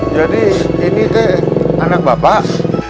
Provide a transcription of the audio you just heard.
jadi ini anak bapak